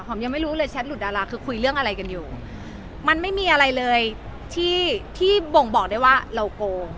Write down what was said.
ยังไม่รู้เลยแชทหลุดดาราคือคุยเรื่องอะไรกันอยู่มันไม่มีอะไรเลยที่ที่บ่งบอกได้ว่าเราโกง